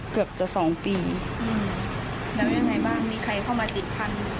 เกือบจะสองปีอืมแล้วยังไงบ้างมีใครเข้ามาติดพันธุ์